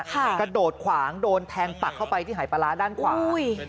กระโดดขวางโดนแทงปักเข้าไปที่หายปลาร้าด้านขวา